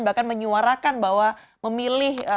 bahkan menyuarakan bahwa memilih